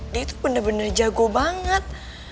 dia tuh bener bener jago banget